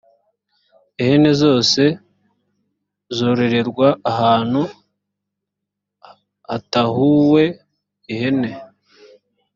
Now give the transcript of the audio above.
ihene zose zororerwa ahantu hatahuwe ihene